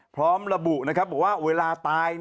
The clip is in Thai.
พร้อมระบุนะครับบอกว่าเวลาตาย